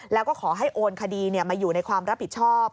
แล้วก็ขอให้โอนคดีมาอยู่ในความรับผิดชอบ